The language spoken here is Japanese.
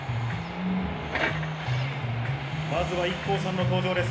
まずはＩＫＫＯさんの登場です。